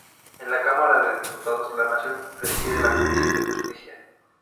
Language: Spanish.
En la cámara de Diputados de la Nación preside la comisión de Justicia.